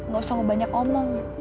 nggak usah ngebanyak omong